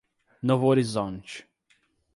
Novorizonte